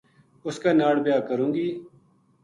اِس کے ناڑ بیاہ کروں گی